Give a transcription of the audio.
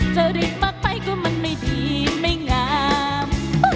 จริตปักไปก็มันไม่ดีไม่งาม